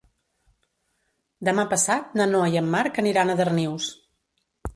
Demà passat na Noa i en Marc aniran a Darnius.